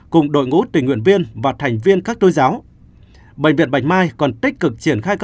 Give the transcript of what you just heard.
cùng đội ngũ tình nguyện viên và thành viên các tối giáo